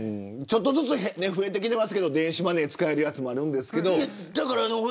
ちょっとずつ増えてきてますけど電子マネー使えるやつもあるんですけど。